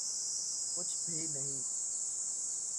کچھ بھی نہیں۔